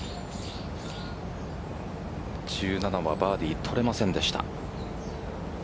１７はバーディー、取れませんでした。